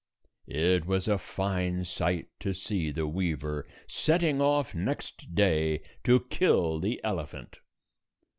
It was a fine sight to see the weaver setting off next day to kill the elephant.